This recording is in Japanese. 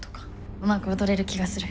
うまく踊れる気がする。